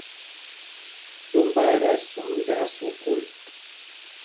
Tombá ɛ tí ɛsum njāā sukûl.